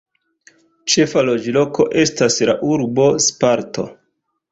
Ĉefa loĝloko estas la urbo "Sparto".